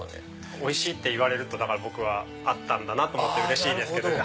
おいしいって言われると僕は合ったんだと思ってうれしい。